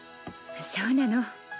そうなの。